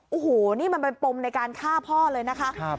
โอ้โหนี่มันเป็นปมในการฆ่าพ่อเลยนะคะ